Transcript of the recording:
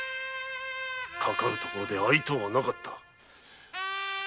かかるところで会いとうはなかった。